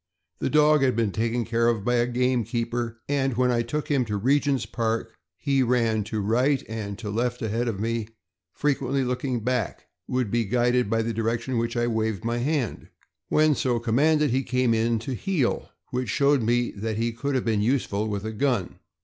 The dog had been taken care of by a gamekeeper, and when I took him to Regent's Park he ran to right and to left ahead of me, and frequently looking back, would be guided by the direction in which I waved my hand. When so commanded he came in to heel, which showed me that he could have been useful with a gun.